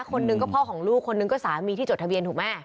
คนหนึ่งก็พ่อของลูกคนนึงก็สามีที่จดทะเบียนถูกไหม